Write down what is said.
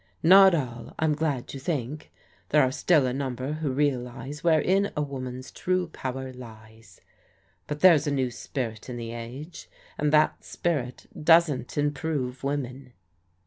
Not all, I'm glad to think. There are still a number who realize wherein a woman's true power lies. ^But there's a new spirit in the age, and that spirit doesn't improve women."